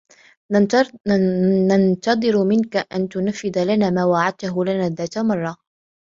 ننتظرُ منكَ أن تُنَفِّذَ لنا ما وعدتَه لنا ذات مرة.